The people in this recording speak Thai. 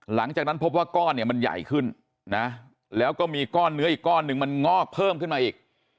หลังจากนั้นพบว่าก้อนเนี่ยมันใหญ่ขึ้นนะแล้วก็มีก้อนเนื้ออีกก้อนหนึ่งมันงอกเพิ่มขึ้นมาอีก